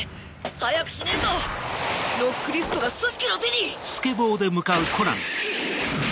早くしねえとノックリストが「組織」の手に！